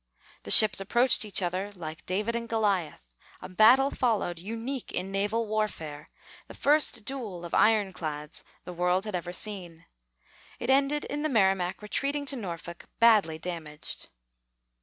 The ships approached each other, like David and Goliath. A battle followed, unique in naval warfare, the first duel of ironclads the world had ever seen. It ended in the Merrimac retreating to Norfolk, badly damaged.